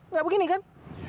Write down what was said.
nggak begini kan